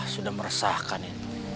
sudah meresahkan ini